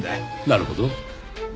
なるほど。